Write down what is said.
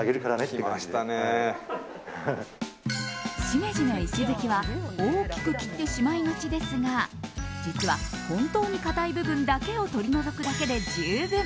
シメジの石づきは大きく切ってしまいがちですが実は本当に硬い部分だけを取り除くだけで十分。